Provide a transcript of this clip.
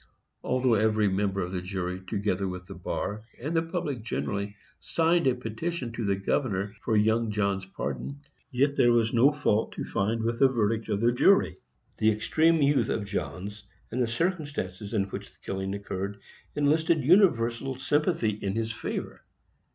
Although every member of the jury, together with the bar, and the public generally, signed a petition to the governor for young Johns' pardon, yet there was no fault to find with the verdict of the jury. The extreme youth of Johns, and the circumstances in which the killing occurred, enlisted universal sympathy in his favor.